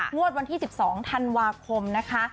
งวดวันที่๑๒ธันวาคมนะคะ